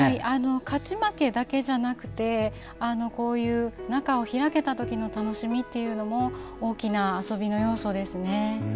勝ち負けだけじゃなくて中を開けたときの楽しみっていうのも大きな遊びの要素ですね。